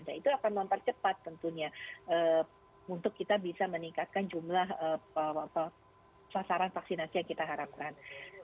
nah itu akan mempercepat tentunya untuk kita bisa meningkatkan jumlah sasaran vaksinasi yang kita harapkan